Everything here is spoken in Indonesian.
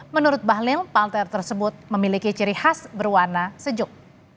menurut bahlil palter tersebut memiliki ciri khas berwarna sejuk